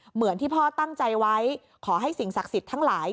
เหมือนที่พ่อตั้งใจไว้ขอให้สิ่งศักดิ์สิทธิ์ทั้งหลาย